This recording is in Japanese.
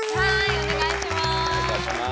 お願いいたします。